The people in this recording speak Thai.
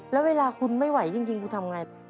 แล้วเวลาคุณไม่ไหวจริงกูทำไง